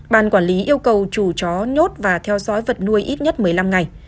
bàn quản lý yêu cầu chủ chó nhốt và theo dõi vật nuôi ít nhất một mươi năm ngày